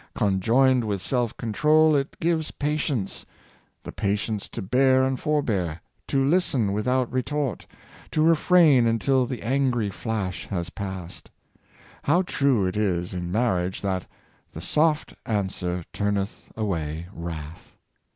Conjoined with self control, it gives patience — the patience to bear and forbear, to listen without retort, to refrain until the angry flash has passed. How true it is in marriage that " the soft answer turneth away wrath."